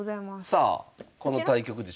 さあこの対局でしょうか？